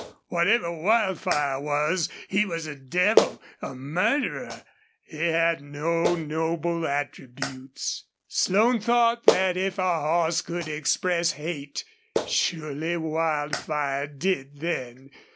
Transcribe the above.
Whatever Wildfire was, he was a devil, a murderer he had no noble attributes. Slone thought that if a horse could express hate, surely Wildfire did then.